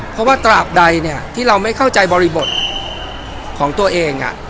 เพราะว่าตราบใดที่เราไม่เข้าใจบริบทของตัวเอง